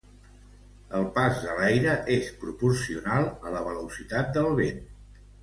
El pas de l'aire és proporcional a la velocitat del vent.